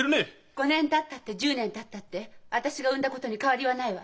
５年たったって１０年たったって私が産んだことに変わりはないわ。